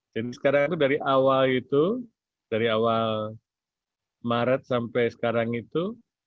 jadi sekarang itu dari awal itu dari awal maret sampai sekarang itu